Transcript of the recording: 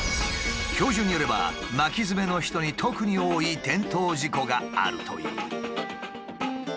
教授によれば巻きヅメの人に特に多い転倒事故があるという。